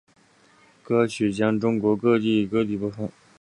歌曲将于中国及世界各地播放。